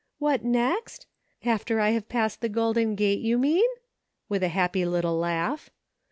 " What next ? After I have passed the golden gate, you mean ?" with a happy little laugh.